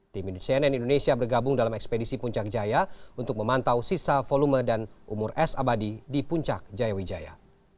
tim cnn indonesia bergabung dalam ekspedisi puncak jaya untuk memantau sisa volume dan umur es abadi di puncak jaya wijaya